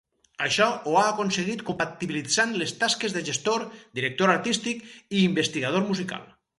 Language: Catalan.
Això ho ha aconseguit compatibilitzant les tasques de gestor, director artístic i investigador musical.